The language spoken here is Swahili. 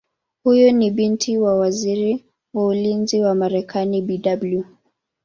Huyu ni binti wa Waziri wa Ulinzi wa Marekani Bw.